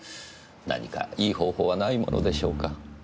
何かいい方法はないものでしょうか。